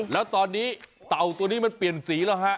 แล้วตอนนี้เต่าตัวนี้มันเปลี่ยนสีแล้วฮะ